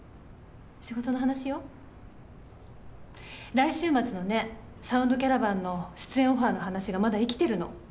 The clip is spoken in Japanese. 来週末のね「サウンドキャラバン」の出演オファーの話がまだ生きてるの。